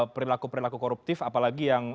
perilaku perilaku koruptif apalagi yang